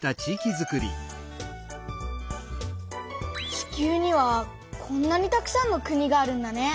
地球にはこんなにたくさんの国があるんだね！